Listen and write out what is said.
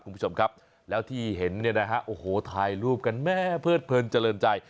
คุณผู้ชมครับแล้วที่เห็นเนี่ยนะฮะโอ้โหถ่ายรูปกันแม่เพิดเพลินเจริญใจ